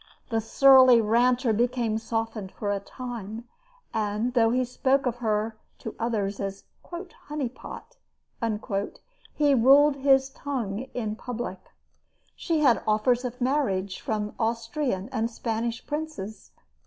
The surly ranter became softened for a time, and, though he spoke of her to others as "Honeypot," he ruled his tongue in public. She had offers of marriage from Austrian and Spanish princes.